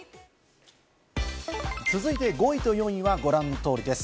続いて、５位と４位はご覧の通りです。